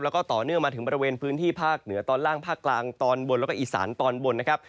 แล้วก็ต่อเนื่องมาถึงบริเวณพื้นที่ภาคเหนือตอนล่างภาคกลางตอนบนแล้วก็อีสานตอนบนนะครับ